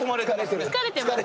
疲れてます。